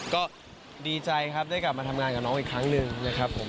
ก็ดีใจครับได้กลับมาทำงานกับน้องอีกครั้งหนึ่งนะครับผม